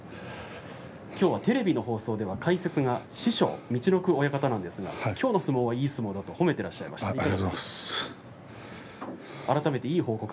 きょうはテレビの放送では解説が師匠・陸奥親方なんですがきょうの相撲はいい相撲だと褒めていらっしゃいました。